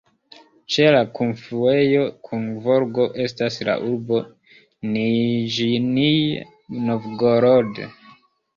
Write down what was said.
Ĉe la kunfluejo kun Volgo, estas la urbo Niĵnij Novgorod.